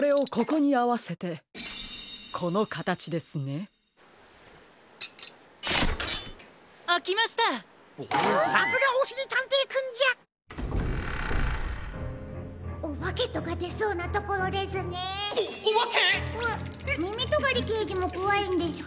みみとがりけいじもこわいんですか？